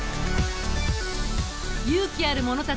勇気ある者たちよ